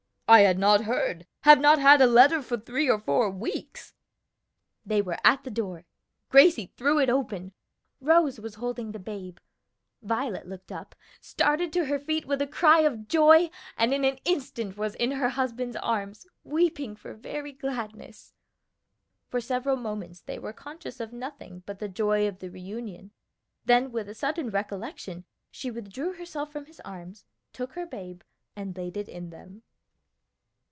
"I had not heard, have not had a letter for three or four weeks." They were at the door. Gracie threw it open. Rose was holding the babe. Violet looked up, started to her feet with a cry of joy, and in an instant was in her husband's arms, weeping for very gladness. For several moments they were conscious of nothing but the joy of the reunion; then with a sudden recollection she withdrew herself from his arms, took her babe, and laid it in them.